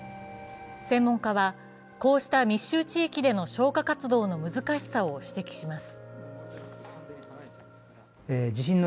専門家はこうした密集地域での消火活動の難しさを指摘します。